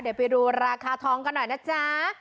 เดี๋ยวไปดูราคาทองกันหน่อยนะจ๊ะ